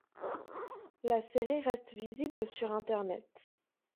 La série reste visible sur internet.